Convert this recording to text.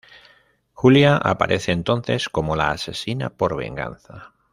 Julia aparece entonces como la asesina por venganza.